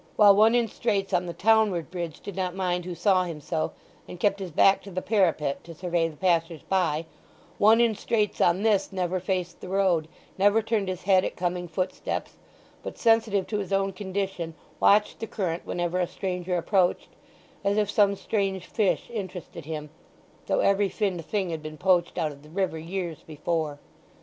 While one in straits on the townward bridge did not mind who saw him so, and kept his back to the parapet to survey the passers by, one in straits on this never faced the road, never turned his head at coming footsteps, but, sensitive to his own condition, watched the current whenever a stranger approached, as if some strange fish interested him, though every finned thing had been poached out of the river years before.